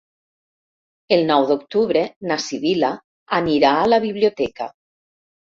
El nou d'octubre na Sibil·la anirà a la biblioteca.